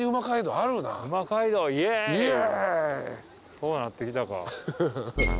そうなってきたか。